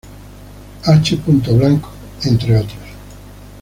H. Blanco, entre otros.